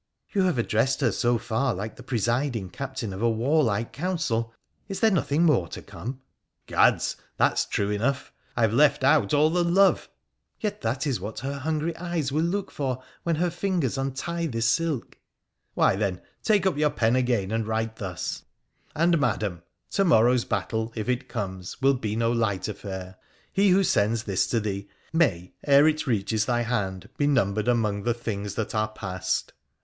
You have addressed her so far like the p:esiding captain of a warlike council. Is there nothing more to come ?'' Gads ! that's true enough ! I have left out all the love !'' Yet that is what her hungry eyes will look for when her fingers untie this silk.' ' Why, then, take up your pen again and write thus :— And, Madam, to morrow 's battle, if it comes, will be no light affair. He xoho sends this to thee may, ere it reaches thy hand, be numbered among the things that are past.